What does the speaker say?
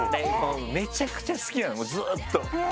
めちゃくちゃ好きなのずっと。